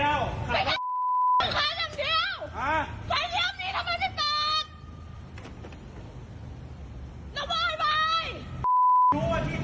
แล้วทำไมไม่เปิดไฟเลี้ยว